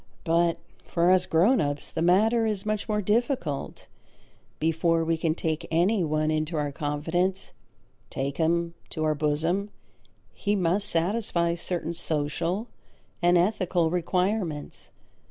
But for us grown ups the matter is much more difficult. Before we can take any one into our confidence, take him to our bosom, he must satisfy certain social and ethical requirements.